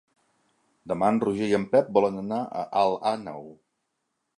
Demà en Roger i en Pep volen anar a Alt Àneu.